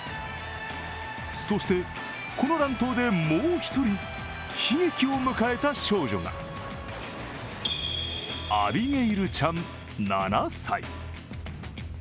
そして、この乱闘でもう１人、悲劇を迎えた少女がアビゲイルちゃん７歳。